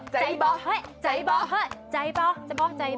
ใจบ้อเฮ้ใจบ้อเฮ้ใจบ้อใจบ้อใจบ้อ